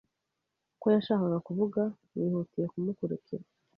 Ko yashakaga kuvuga Nihutiye kumukurikira